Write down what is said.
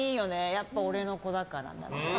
やっぱ俺の子だからねって。